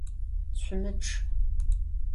Şümıçç!